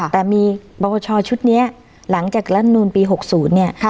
แต่มีประวัติศาสตร์ชุดนี้หลังจากการรัฐนูนปี๖๐เนี่ย